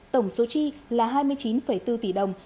tổng số chi là hai mươi chín bốn tỷ đồng